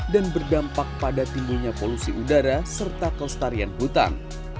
dan berdampak pada timbulnya polusi udara serta kelestarian hutan